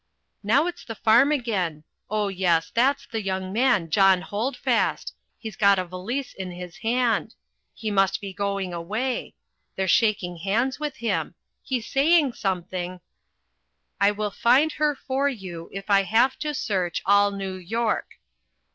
Now it's the farm again oh, yes, that's the young man John Holdfast he's got a valise in his hand he must be going away they're shaking hands with him he's saying something "I WILL FIND HER FOR YOU IF I HAVE TO SEARCH ALL NEW YORK."